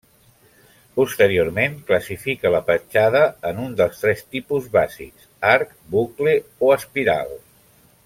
Posteriorment, classifica la petjada en un dels tres tipus bàsics: arc, bucle o espiral.